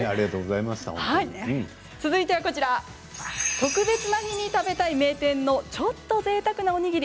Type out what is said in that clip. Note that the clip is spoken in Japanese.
続いてはこちら特別な日に食べたい名店のちょっとぜいたくなおにぎり。